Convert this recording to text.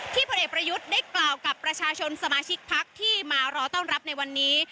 ผลเอกประยุทธ์ได้กล่าวกับประชาชนสมาชิกพักที่มารอต้อนรับในวันนี้